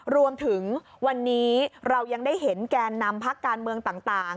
รวมถึงวันนี้เรายังได้เห็นแกนนำพักการเมืองต่าง